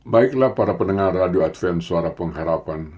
baiklah para pendengar radio advents suara pengharapan